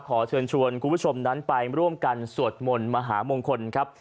ขอเชิญชวนคุณผู้ชมนั้นไปร่วมกันสวดมนต์มหามงคลครับ